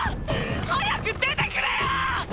早く出てくれよ！